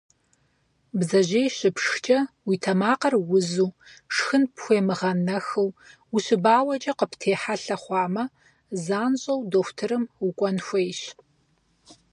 Бдзэжьей щыпшхкӏэ, уи тэмакъыр узу, шхын пхуемыгъэнэхыу, ущыбауэкӏэ къыптехьэлъэ хъуамэ, занщӏэу дохутырым укӏуэн хуейщ.